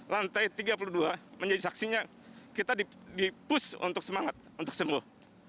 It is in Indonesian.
lantai tiga puluh dua menjadi saksinya kita di push untuk semangat untuk sembuh